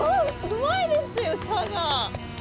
うまいですよ歌が！